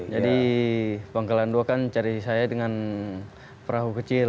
jadi pangkalan dua kan cari saya dengan perahu kecil